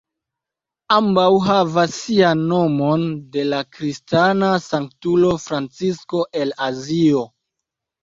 Ambaŭ havas sian nomon de la kristana sanktulo Francisko el Asizo.